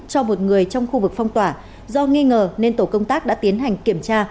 cho một người trong khu vực phong tỏa do nghi ngờ nên tổ công tác đã tiến hành kiểm tra